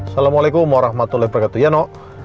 salamualaikum warahmatullahi wabarakatuh ya no